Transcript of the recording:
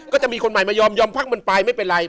ก็จะมีคนใหม่มายอมยอมพักมันไปไม่เป็นไร